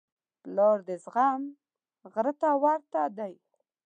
پلار د زغم غره ته ورته دی.